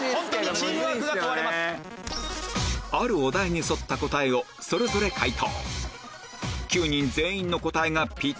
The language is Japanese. あるお題に沿った答えをそれぞれ解答